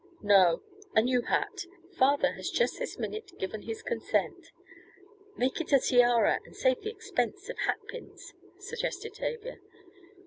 "No, a new hat. Father has just this minute given his consent." "Make it a tiara and save the expense of hat pins," suggested Tavia.